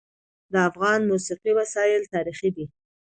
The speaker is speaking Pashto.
د افغان موسیقي وسایل تاریخي دي.